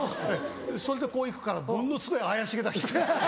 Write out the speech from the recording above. それでこう行くからものすごい怪しげな人。